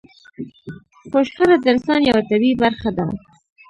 خو شخړه د انسان يوه طبيعي برخه ده.